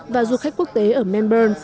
và du khách quốc tế ở melbourne